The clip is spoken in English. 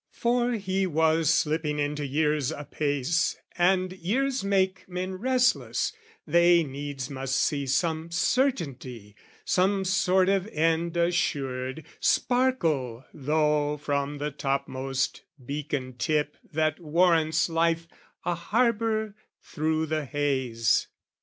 For he was slipping into years apace, And years make men restless they needs must see Some certainty, some sort of end assured, Sparkle, tho' from the topmost beacon tip That warrants life a harbour through the haze.